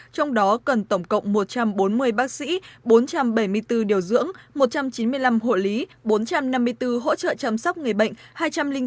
trong đó cần tổng cộng một trăm bốn mươi bác sĩ bốn trăm bảy mươi bốn điều dưỡng một trăm chín mươi năm hộ lý bốn trăm năm mươi bốn hỗ trợ chăm sóc người bệnh